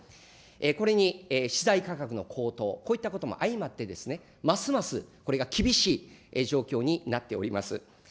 これに資材価格の高騰、こういったことも相まって、ますますこれが厳しい状況になっております。